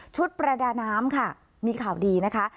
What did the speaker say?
ประดาน้ำค่ะมีข่าวดีนะคะ